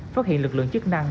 phát hiện lực lượng chức năng